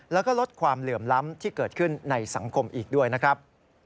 แล้วก็ลดความเหลื่อมล้ำที่เกิดขึ้นในสังคมอีกด้วยนะครับ